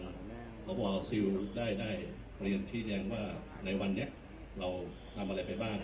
เขาบอกว่าซิลได้ได้เปลี่ยนที่แหลงว่าในวันนี้เราทำอะไรไปบ้าง